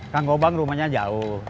kakak bang rumahnya jauh